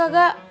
gak gak gak